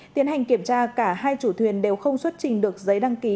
tiến hành kiểm tra cả hai chủ thuyền đều không xuất trình được giấy đăng ký